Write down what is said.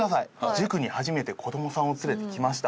塾に初めて子どもさんを連れてきました。